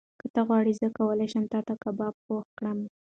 که ته غواړې، زه کولی شم تاته کباب پخ کړم.